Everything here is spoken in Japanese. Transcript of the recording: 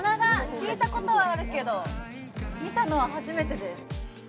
聞いたことはあるけど見たのは初めてです。